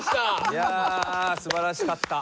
いや素晴らしかった。